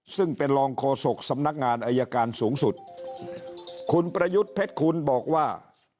ซึ่งเป็นรองโฆษกสำนักงานอายการสูงสุดคุณประยุทธ์เพชรคุณบอกว่า